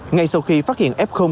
ngay sau khi phát hiện f